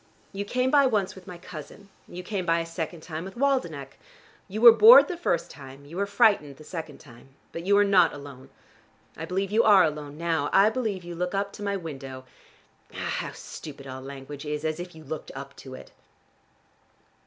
You came by once with my cousin. You came by a second time with Waldenech. You were bored the first time, you were frightened the second time. But you were not alone. I believe you are alone now: I believe you look up to my window. Ah, how stupid all language is! As if you looked up to it!"